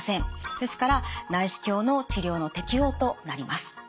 ですから内視鏡の治療の適応となります。